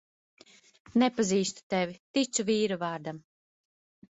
Nepazīstu tevi, ticu vīra vārdam.